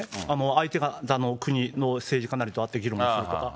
相手方の国の政治家なりと会って議論するとか。